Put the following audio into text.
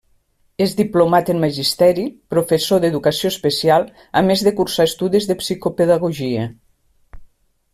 És diplomat en magisteri, professor d'educació especial, a més de cursar estudis de psicopedagogia.